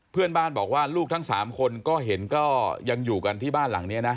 เพื่อนบ้านบอกว่าลูกทั้ง๓คนก็เห็นก็ยังอยู่กันที่บ้านหลังนี้นะ